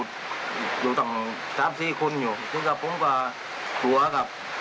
ดีหว่าจริงผมดีออก